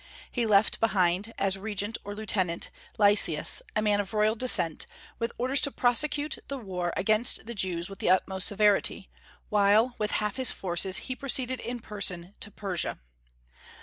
He left behind, as regent or lieutenant, Lysias, a man of royal descent, with orders to prosecute the war against the Jews with the utmost severity, while with half his forces he proceeded in person to Persia.